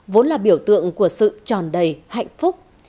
vốn là biểu tượng của sự tròn đầy hạnh phúc